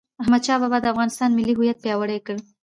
احمدشاه بابا د افغانستان ملي هویت پیاوړی کړ..